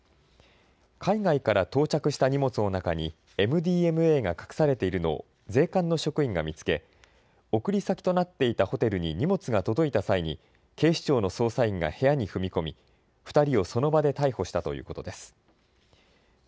海外から到着した荷物の中にＭＤＭＡが隠されているのを税関の職員が見つけ、送り先となっていたホテルに荷物が届いた際に警視庁の捜査員が部屋に踏み込み２人をその場で逮捕したということです。